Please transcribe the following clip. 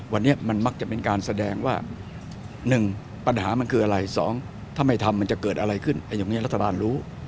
วันนี้มันมักจะเป็นการแสดงว่า๑ปัญหามันคืออะไร๒ถ้าไม่ทำมันจะเกิดอะไรขึ้นอย่างนี้รัฐบาลรู้